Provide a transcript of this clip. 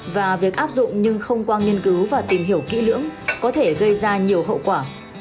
và việc áp dụng nhưng không qua nghiên cứu và tìm hiểu kỹ lưỡng có thể gây ra nhiều hậu quả